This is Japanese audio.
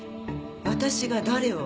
私が誰を？